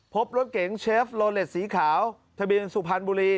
พบรถเก๋งเชฟโลเลสสีขาวทะเบียนสุพรรณบุรี